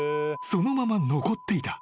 ［そのまま残っていた］